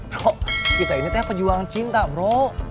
kok kita ini teh pejuang cinta bro